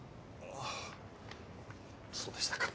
ああそうでしたか。